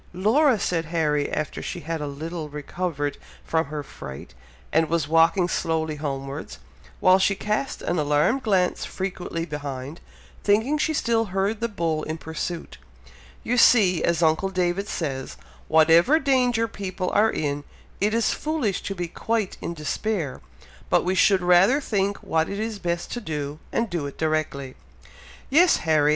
"Laura!" said Harry, after she had a little recovered from her fright, and was walking slowly homewards, while she cast an alarmed glance frequently behind, thinking she still heard the bull in pursuit, "you see, as uncle David says, whatever danger people are in, it is foolish to be quite in despair, but we should rather think what it is best to do, and do it directly." "Yes, Harry!